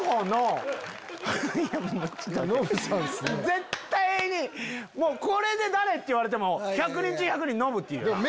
絶対にこれで誰？って言われても１００人中１００人ノブって言うよな。